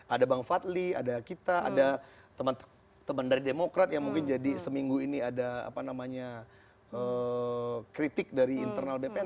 ada bang fadli ada kita ada teman dari demokrat yang mungkin jadi seminggu ini ada apa namanya kritik dari internal bpn